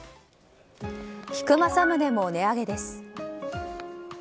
菊正宗も値上げです。